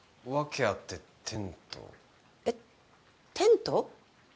えっテント？